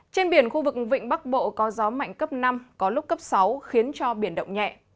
trên biển khu vực vịnh bắc bộ có gió mạnh cấp năm có lúc cấp sáu khiến cho biển động nhẹ